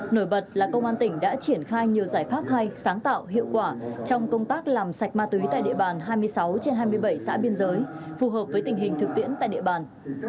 nổi bật là công an tỉnh đã triển khai nhiều giải pháp hay sáng tạo hiệu quả trong công tác làm sạch ma túy tại địa bàn hai mươi sáu trên hai mươi bảy xã biên giới phù hợp với tình hình thực tiễn tại địa bàn